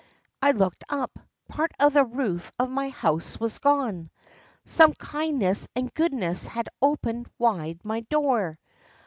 I looked up. Part of the roof of my house was gone. Some kindness and goodness had opened wide my door.